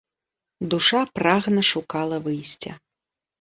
Душа прагна шукала выйсця.